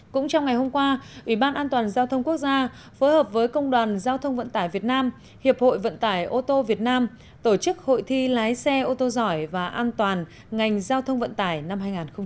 cũng trong ngày hôm qua ủy ban an toàn giao thông quốc gia phối hợp với công đoàn giao thông vận tải việt nam hiệp hội vận tải ô tô việt nam tổ chức hội thi lái xe ô tô giỏi và an toàn ngành giao thông vận tải năm hai nghìn một mươi chín